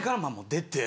出て。